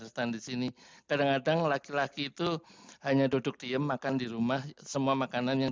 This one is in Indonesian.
stand di sini kadang kadang laki laki itu hanya duduk diem makan di rumah semua makanan yang